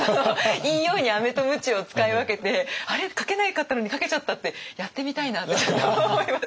いいようにアメとムチを使い分けて「あれ？書けなかったのに書けちゃった」ってやってみたいなってちょっと思います。